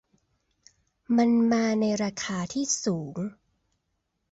มันมาในราคาที่สูง